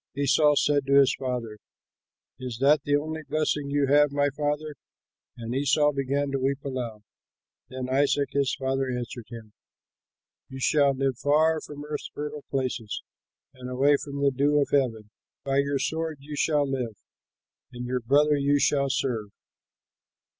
Esau said to his father, "Is that the only blessing you have, my father?" and Esau began to weep aloud. Then Isaac his father answered him: "You shall live far from earth's fertile places, And away from the dew of heaven. By your sword you shall live, And your brother you shall serve."